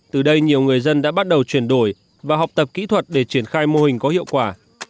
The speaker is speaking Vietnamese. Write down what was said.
từ đây nhiều người dân đã bắt đầu chuyển đổi và học tập kỹ thuật để triển khai mô hình có hiệu quả